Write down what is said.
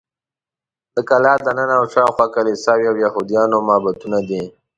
د کلا دننه او شاوخوا کلیساوې او یهودانو معبدونه دي.